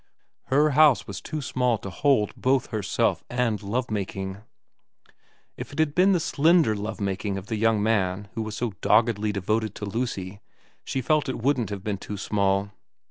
Her house was too small to hold both herself and love making. If it had been the slender love making of the young man who was so doggedly devoted to Lucy, she felt it wouldn't have been too small.